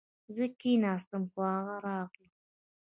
زه کښېناستم خو هغه راغله